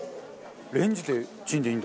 レンジでチンでいいんだ。